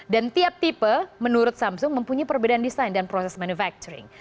dan tiap tipe menurut samsung mempunyai perbedaan desain dan proses manufakturing